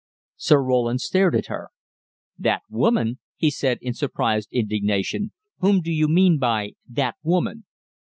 Sir Roland stared at her. "'That woman'?" he said in surprised indignation. "Whom do you mean by 'that woman'?"